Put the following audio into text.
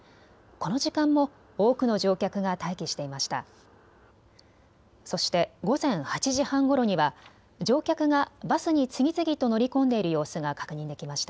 この時間も多くの乗客が待機していました。